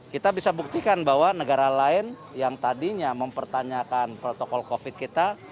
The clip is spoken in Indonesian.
kita bisa buktikan bahwa negara lain yang tadinya mempertanyakan protokol covid kita